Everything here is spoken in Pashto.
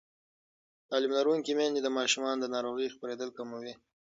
تعلیم لرونکې میندې د ماشومانو د ناروغۍ خپرېدل کموي.